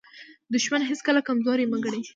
دښمن هیڅکله کمزوری مه ګڼئ.